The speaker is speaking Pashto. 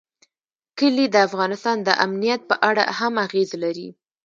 کلي د افغانستان د امنیت په اړه هم اغېز لري.